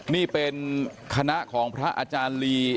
นี่เป็นคณะของพระอาจารย์ลี